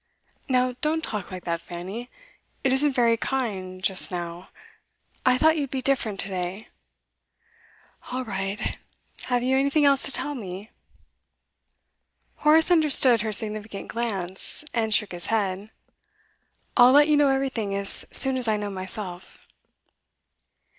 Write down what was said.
'Now don't talk like that, Fanny. It isn't very kind just now. I thought you'd be different to day.' 'All right. Have you anything else to tell me?' Horace understood her significant glance, and shook his head. 'I'll let you know everything as soon as I know myself.